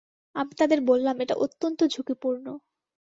আমি তাদের বললাম, এটা অত্যন্ত ঝুঁকিপূর্ণ।